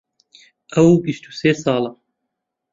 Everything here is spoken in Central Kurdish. ئەو بیست و سێ ساڵە.